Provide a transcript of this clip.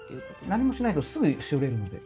何もしないとすぐしおれるので。